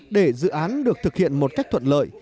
để dự án được thực hiện một cách thuận lợi